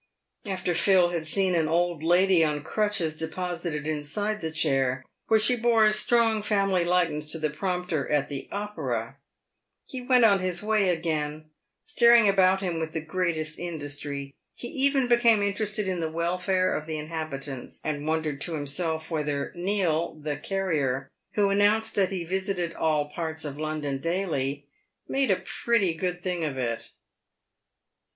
After Phil had seen an old lady on crutches deposited. inside the chair, where she bore a strong family likeness to the prompter at the Opera, he went on his way again, staring about him with the greatest industry. He even became interested in the welfare of the inha bitants, and wondered to himself whether Neale, the carrier, who announced that he visited " all parts of London daily," made a pretty good thing of it.